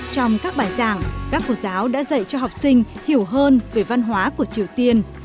trong các bài giảng các cô giáo đã dạy cho học sinh hiểu hơn về văn hóa của triều tiên